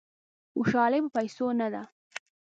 خوشالي په پیسو نه ده.